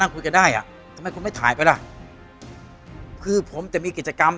คุยกันได้อ่ะทำไมคุณไม่ถ่ายไปล่ะคือผมจะมีกิจกรรม